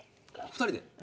２人で？